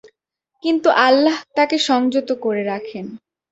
কিন্তু আল্লাহ তাকে সংযত করে রাখেন।